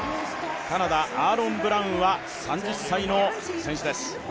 カナダアーロン・ブラウンは３０歳の選手です。